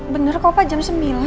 bener kok jam sembilan